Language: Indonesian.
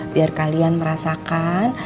biar kalian merasakan